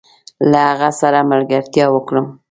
له هغه سره ملګرتيا وکړم؟